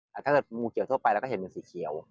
แต่ถ้าเกิดงูเขียวทั่วไปเราก็เห็นเป็นสีเขียว